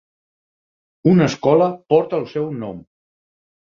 Una escola porta el seu nom.